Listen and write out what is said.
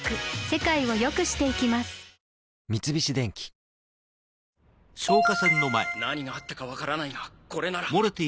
「ハミングフレア」何があったか分からないがこれなら。